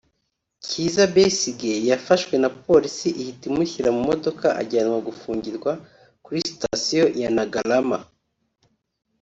Kizza Besigye yafashwe na Polisi ihita imushyira mu modoka ajyanwa gufungirwa kuri Sitasiyo ya Naggalama